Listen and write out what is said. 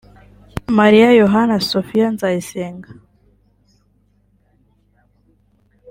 Mariya Yohana Sofiya Nzayisenga